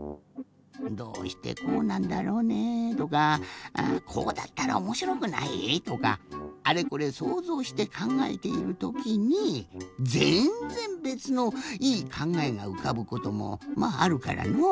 どうしてこうなんだろうね？とかこうだったらおもしろくない？とかあれこれそうぞうしてかんがえているときにぜんぜんべつのいいかんがえがうかぶこともまああるからのう。